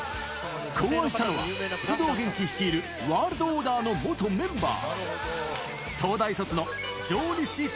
考案したのは、須藤元気率いるワールドオーダーの元メンバー。